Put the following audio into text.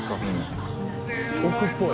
奥っぽい。